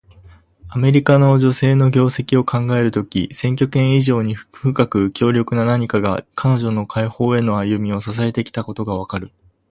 アメリカの女性の業績を考えるとき、選挙権以上に深く強力な何かが、彼女の解放への歩みを支えてきたことがわかる。